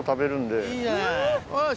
よし！